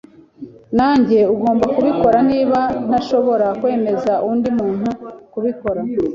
Ninjye ugomba kubikora niba ntashobora kwemeza undi muntu kubikora.